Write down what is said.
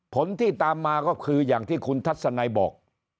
ผลที่ตามมาก็คืออย่างที่คุณทัศนัยบอก